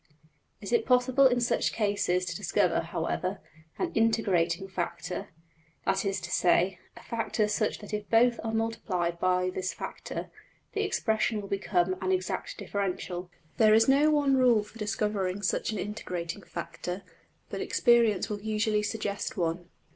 It is possible in such cases to discover, however, \emph{an integrating factor}, that is to say, a factor such that if both are multiplied by this factor, the expression will become an exact differential. There is no one rule for discovering such an integrating factor; but experience will usually suggest one.